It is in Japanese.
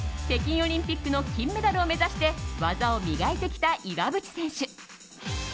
北京オリンピックの金メダルを目指して技を磨いてきた岩渕選手。